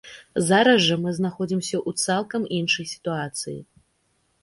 Зараз жа мы знаходзімся ў цалкам іншай сітуацыі.